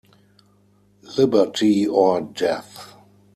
Liberty or Death!